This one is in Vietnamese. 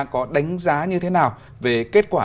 có đánh giá như thế nào về kết quả